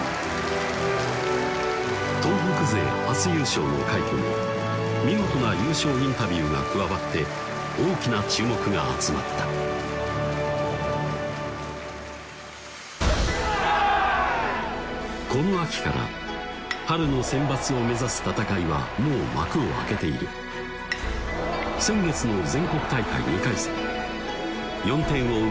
東北勢初優勝の快挙に見事な優勝インタビューが加わって大きな注目が集まったこの秋から春のセンバツを目指す戦いはもう幕を開けている先月の全国大会２回戦４点を追う